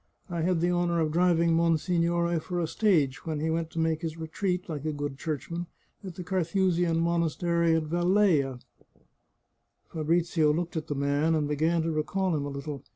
I had the honour of driving monsignore for a stage when he went to make his retreat, like a good church man, at the Carthusian monastery at Velleia." Fabrizio looked at the man, and began to recall him a little.